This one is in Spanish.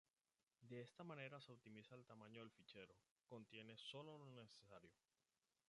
De esta manera se optimiza el tamaño del fichero, conteniendo sólo lo necesario.